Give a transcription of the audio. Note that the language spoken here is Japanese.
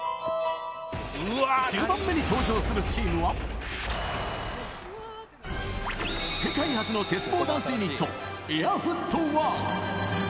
１０番目に登場するチームは、世界初の鉄棒ダンスユニット、ＡＩＲＦＯＯＴＷＯＲＫＳ。